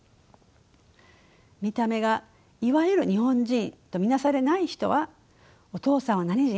見た目がいわゆる日本人と見なされない人はお父さんは何人？